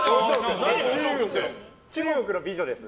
中国の美女です。